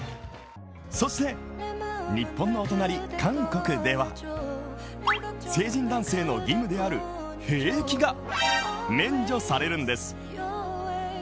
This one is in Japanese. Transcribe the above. そして、日本のお隣・韓国では成人男性の義務である兵役が免除されるんです。